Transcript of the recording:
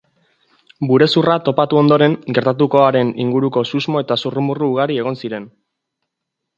Burezurra topatu ondoren, gertatutakoaren inguruko susmo eta zurrumurru ugari egon ziren.